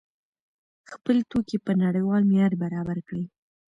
خپل توکي په نړیوال معیار برابر کړئ.